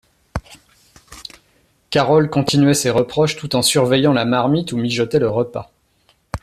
Carole continuait ses reproches tout en surveillant la marmite où mijotait le repas.